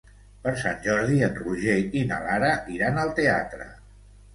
Per Sant Jordi en Roger i na Lara iran al teatre.